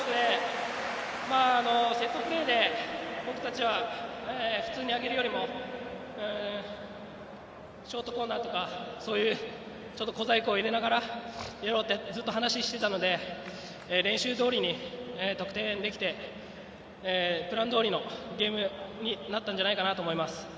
セットプレーで、僕たちは普通に上げるよりもショートコーナーとかそういう小細工を入れながらやろうってずっと話をしていたので練習どおりに得点できてプランどおりのゲームになったんじゃないかと思います。